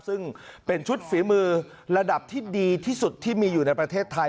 ซึ่งเป็นชุดฝีมือระดับที่ดีที่สุดที่มีอยู่ในประเทศไทย